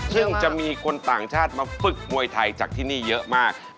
ซึ่งจะมีคนต่างชาติมาฝึกมวยไทยจากที่นี่เยอะมาก